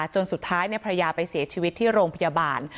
จนสุดท้ายภรรยาไปเสียชีวิตที่โรงพยาบาล